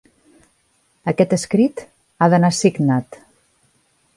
Aquest escrit ha d'anar signat.